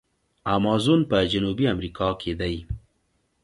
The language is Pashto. امازون په جنوبي امریکا کې دی.